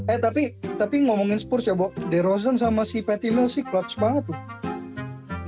eh tapi ngomongin spurs ya bo de rozan sama si patty mills sih clutch banget tuh